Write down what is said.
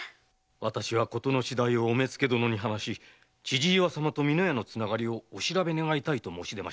私は事の次第をお目付殿に話し千々岩様と美濃屋のつながりをお調べ願いたいと申し出ました。